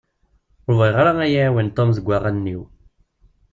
Ur bɣiɣ ara ad iyi-iɛiwen Tom deg waɣanen-iw.